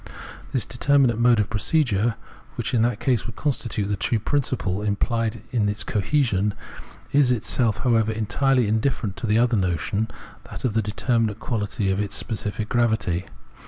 This determinate mode of procedure, which in that case would constitute the true principle imphed in its cohesion, is itself however entirely indifferent to the other notion, that of the determinate quantity of ts specific gravity.